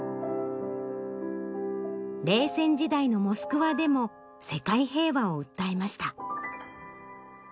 冷戦時代のモスクワでも世界平和を訴えました。